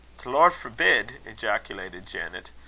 "The Lord forbid!" ejaculated Janet.